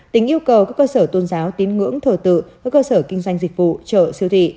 tỉnh yêu cầu các cơ sở tôn giáo tín ngưỡng thờ tự các cơ sở kinh doanh dịch vụ chợ siêu thị